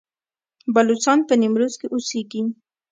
بلوڅان په نیمروز کې اوسیږي؟